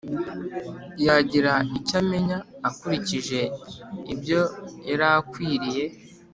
yagira icyo amenya ukurikije ibyo yari akwiriye